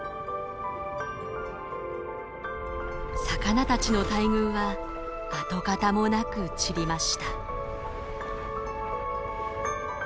魚たちの大群は跡形もなく散りました。